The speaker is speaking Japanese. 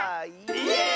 イエーイ！